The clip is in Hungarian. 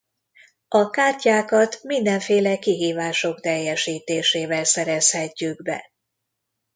A kártyákat mindenféle kihívások teljesítésével szerezhetjük be.